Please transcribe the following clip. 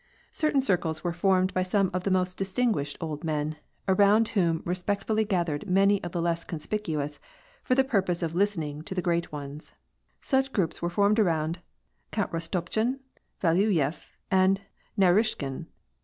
Central circles 16 WAR AND PEACE. were formed by some of the most distingaished old men, around whom respectfully gathered many of theHftfes conspicu ous, for the purpose of listening to the great ones. Such groups were formed around Count Rostopchin, Valuyef, and Naruishkin.